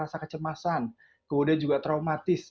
rasa kecemasan kemudian juga traumatis